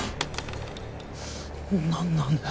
何なんだよ